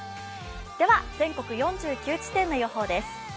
では全国４９地点の予報です。